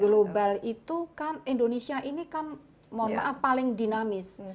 global itu kan indonesia ini kan mohon maaf paling dinamis